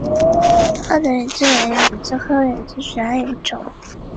教员时期台湾风土记民俗台湾台湾省宣传委员会岛根新闻社平凡社